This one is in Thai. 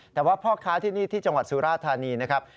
แต่ว่าพ่อค้าที่นี่ที่จังหวัดสุราธานีนะครับ